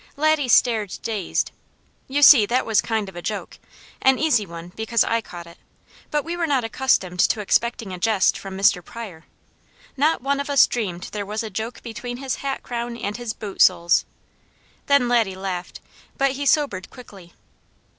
Laddie stared dazed. You see that was kind of a joke. An easy one, because I caught it; but we were not accustomed to expecting a jest from Mr. Pryor. Not one of us dreamed there was a joke between his hat crown and his boot soles. Then Laddie laughed; but he sobered quickly.